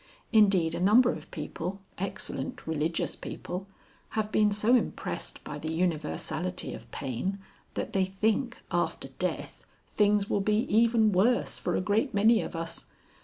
Indeed, a number of people excellent religious people have been so impressed by the universality of pain that they think, after death, things will be even worse for a great many of us.